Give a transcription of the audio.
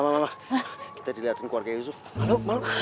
mama kita dilihatin keluarga yusuf malu